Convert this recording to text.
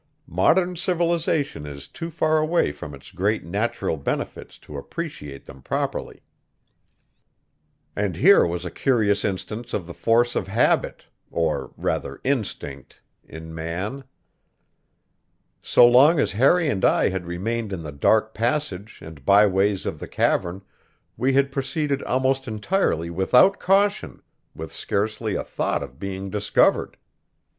Modern civilization is too far away from its great natural benefits to appreciate them properly. And here was a curious instance of the force of habit or, rather, instinct in man. So long as Harry and I had remained in the dark passage and byways of the cavern we had proceeded almost entirely without caution, with scarcely a thought of being discovered.